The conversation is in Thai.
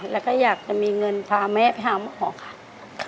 แล้วก็อยากจะมีเงินพาแม่ไปหาหมอค่ะ